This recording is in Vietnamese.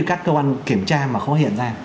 các cơ quan kiểm tra mà không có hiện ra